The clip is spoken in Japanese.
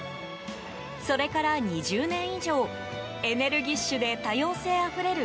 それから２０年以上エネルギッシュで多様性あふれる